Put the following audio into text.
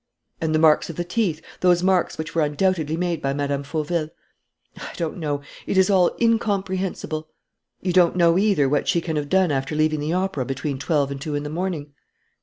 "And the marks of the teeth, those marks which were undoubtedly made by Mme. Fauville?" "I don't know. It is all incomprehensible." "You don't know either what she can have done after leaving the opera between twelve and two in the morning?"